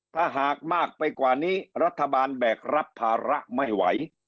ถ้าหากมากไปกว่านี้รัฐบาลแบกรับภาระไม่ไหว